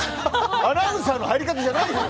アナウンサーの入り方じゃない。